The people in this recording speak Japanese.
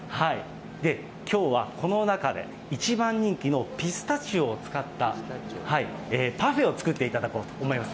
きょうはこの中で一番人気のピスタチオを使ったパフェを作っていただきたいと思います。